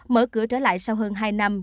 mở cửa trở lại sau hơn hai năm